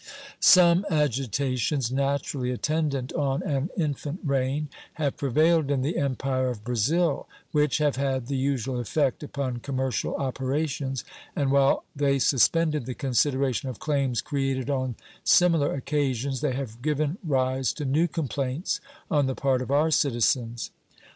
Some agitations naturally attendant on an infant reign have prevailed in the Empire of Brazil, which have had the usual effect upon commercial operations, and while they suspended the consideration of claims created on similar occasions, they have given rise to new complaints on the part of our citizens.